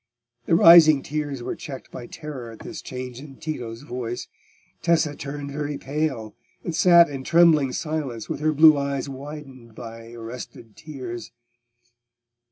The rising tears were checked by terror at this change in Tito's voice. Tessa turned very pale, and sat in trembling silence, with her blue eyes widened by arrested tears.